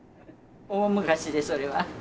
大昔ですそれは。